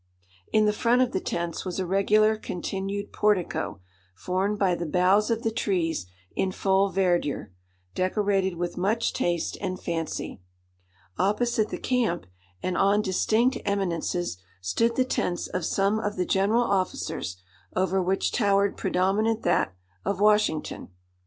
In the front of the tents was a regular continued portico, formed by the boughs of the trees in full verdure, decorated with much taste and fancy. Opposite the camp, and on distinct eminences, stood the tents of some of the general officers, over which towered predominant that of Washington.